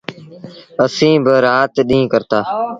اسيٚݩ با رآت ڏيٚݩهݩ ڪرتآ۔۔